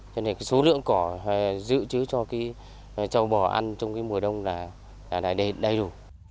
cho nên số lượng cỏ giữ chứa cho châu bò ăn trong mùa đông là đầy đủ